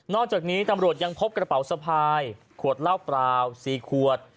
จากนี้ตำรวจยังพบกระเป๋าสะพายขวดเหล้าเปล่า๔ขวด